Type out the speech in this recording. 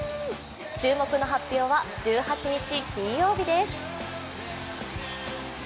注目の発表は１８日金曜日です。